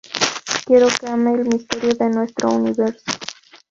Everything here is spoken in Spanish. Quiero que ame el misterio de nuestro universo".